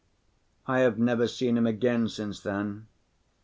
I have never seen him again since then.